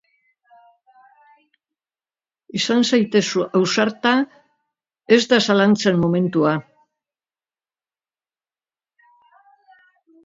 Izan zaitez ausarta, ez da zalantzen momentua.